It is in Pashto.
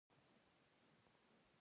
د ماشوم د وینې لپاره د غوښې اوبه ورکړئ